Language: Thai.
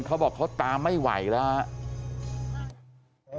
เขาบอกเขาตามไม่ไหวแล้วครับ